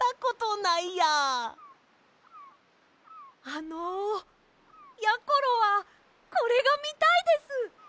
あのやころはこれがみたいです！